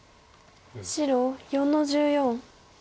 白４の十四。